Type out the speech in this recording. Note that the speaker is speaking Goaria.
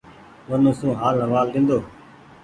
ونو سون هآل هوآل لينۮو ۔